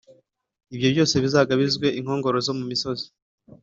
ibyo byose bizagabizwe inkongoro zo ku misozi